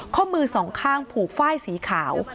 ข้อมือสองข้างผูกฝ้ายสีขาว